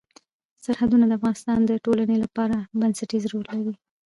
سرحدونه د افغانستان د ټولنې لپاره بنسټيز رول لري.